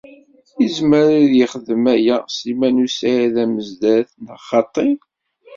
Izmer ad yexdem aya Sliman u Saɛid Amezdat, neɣ xaṭi?